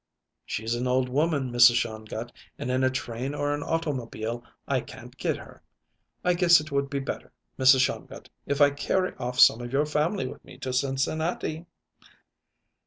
"She's an old woman, Mrs. Shongut, and in a train or an automobile I can't get her. I guess it would be better, Mrs. Shongut, if I carry off some of your family with me to Cincinnati."